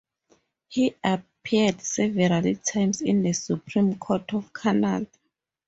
He appeared several times in the Supreme Court of Canada.